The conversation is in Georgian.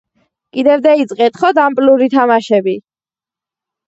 კიდევ დეიწყეთ, ხო, დამპლური თამაშები?!